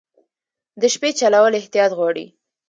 د شپې چلول احتیاط غواړي.